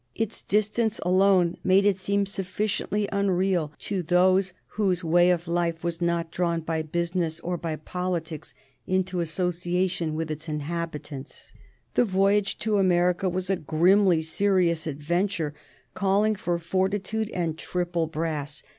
Its distance alone made it seem sufficiently unreal to those whose way of life was not drawn by business or by politics into association with its inhabitants. The voyage to America was a grimly serious adventure, calling for fortitude and triple brass.